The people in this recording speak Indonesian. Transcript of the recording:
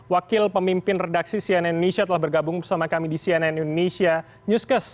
wakil pemimpin redaksi cnn indonesia telah bergabung bersama kami di cnn indonesia newscast